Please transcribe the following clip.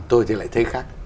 tôi thì lại thấy khác